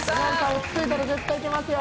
落ち着いたら絶対いけますよ。